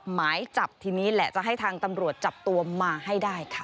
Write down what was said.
หมายจับทีนี้แหละจะให้ทางตำรวจจับตัวมาให้ได้ค่ะ